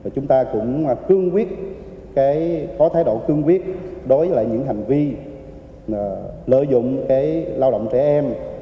chúng ta cũng cương quyết có thái độ cương quyết đối với những hành vi lợi dụng lao động trẻ em